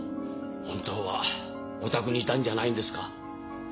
本当はお宅にいたんじゃないんですか？